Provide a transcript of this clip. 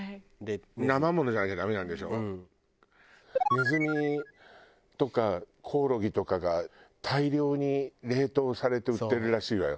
ネズミとかコオロギとかが大量に冷凍されて売ってるらしいわよ。